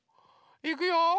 いくよ！